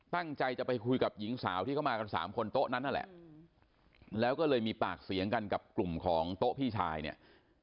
ตั้งใจจะไปคุยกับหญิงสาวที่เข้ามากันสามคนโต๊ะนั้นนั่นแหละแล้วก็เลยมีปากเสียงกันกับกลุ่มของโต๊ะพี่ชายเนี่ย